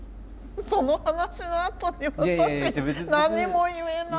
その話のあとに私何も言えない。